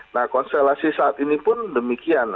nah konstelasi saat ini pun demikian